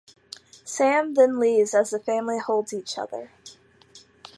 Sam then leaves as the family holds each other.